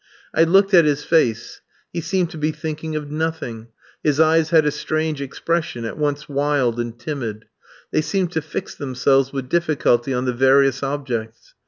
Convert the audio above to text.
I looked at his face: he seemed to be thinking of nothing; his eyes had a strange expression, at once wild and timid; they seemed to fix themselves with difficulty on the various objects.